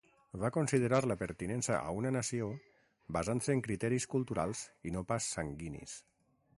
Va considerar la pertinença a una nació basant-se en criteris culturals i no pas sanguinis.